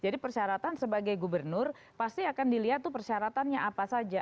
jadi persyaratan sebagai gubernur pasti akan dilihat persyaratannya apa saja